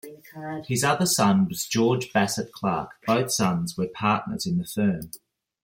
His other son was George Bassett Clark; both sons were partners in the firm.